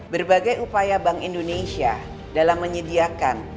berbagai upaya bank indonesia dalam menyediakan